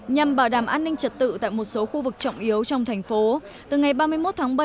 nhằm bảo đảm an ninh trật tự tại một số khu vực trọng yếu trong thành phố từ ngày ba mươi một tháng bảy